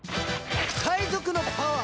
海賊のパワー！